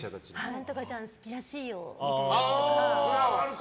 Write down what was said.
何とかちゃん好きらしいよみたいなのとか。